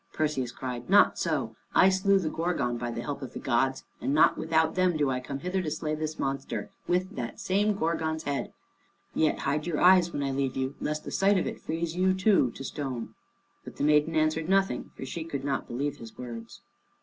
Perseus cried, "Not so: I slew the Gorgon by the help of the gods, and not without them do I come hither to slay this monster, with that same Gorgon's head. Yet hide your eyes when I leave you, lest the sight of it freeze you too to stone." But the maiden answered nothing, for she could not believe his words.